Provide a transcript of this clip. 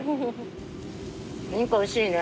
お肉おいしいね。